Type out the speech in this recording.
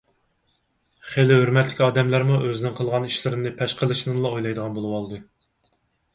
خېلى ھۆرمەتلىك ئادەملەرمۇ ئۆزىنىڭ قىلغان ئىشلىرىنى پەش قىلىشنىلا ئويلايدىغان بولۇۋالدى.